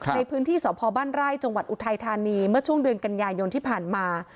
ในพื้นที่สพบ้านไร่จังหวัดอุทัยธานีเมื่อช่วงเดือนกันยายนที่ผ่านมา